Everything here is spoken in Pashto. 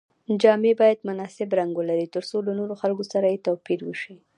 جامې باید مناسب رنګ ولري تر څو له نورو خلکو سره یې توپیر وشي.